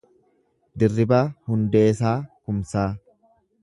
Dirribaa Hundeesaa Kumsaa